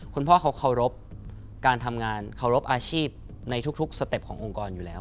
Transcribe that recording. คุณพ่อเขาเคารพการทำงานเคารพอาชีพในทุกสเต็ปขององค์กรอยู่แล้ว